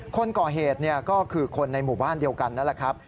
คนก่อเหตุก็คือคนในหมู่บ้านเดียวกันนั่นแหละครับ